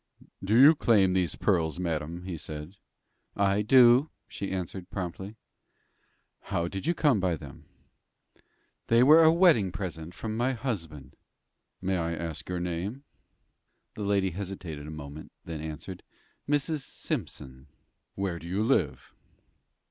"Do you claim these pearls, madam?" he said. "I do," she answered, promptly. "How did you come by them?" "They were a wedding present from my husband." "May I ask your name?" The lady hesitated a moment, then answered: "Mrs. Simpson." "Where do you live?"